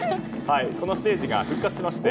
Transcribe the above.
このステージが復活しまして。